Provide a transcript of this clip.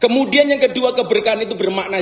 kemudian yang kedua keberkahan itu bermakna